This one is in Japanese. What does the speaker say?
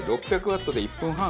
６００ワットで１分半。